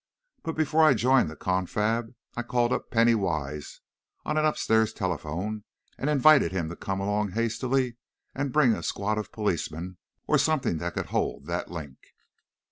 But, before I joined the confab I called up Penny Wise on an upstairs telephone and invited him to come along hastily and bring a squad of policemen or something that could hold that 'Link'!